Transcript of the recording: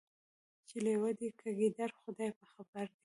چي لېوه دی که ګیدړ خدای په خبر دی